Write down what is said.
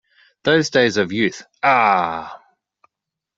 Those days of youth, ah!